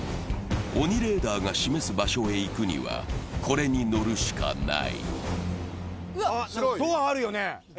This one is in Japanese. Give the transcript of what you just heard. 鬼レーダーが示す場所へ行くには、これに乗るしかない。